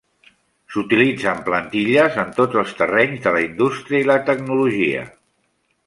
S'utilitzen plantilles en tots els terrenys de la indústria i la tecnologia.